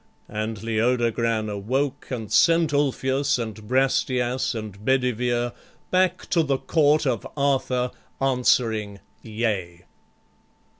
And Leodogran awoke, and sent Ulfius, and Brastias, and Bedivere, Back to the court of Arthur answering yea.